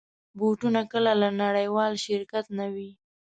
بوټونه کله له نړېوال شرکت نه وي.